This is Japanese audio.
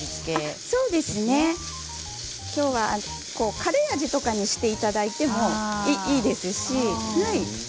カレー味とかにしていただいてもいいですね。